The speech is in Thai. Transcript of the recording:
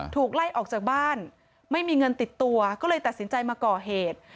ถูกไล่ออกจากบ้านไม่มีเงินติดตัวก็เลยตัดสินใจมาก่อเหตุ